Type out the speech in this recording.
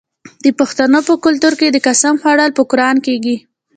د پښتنو په کلتور کې د قسم خوړل په قران کیږي.